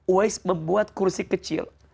uwais membuat kursi kecil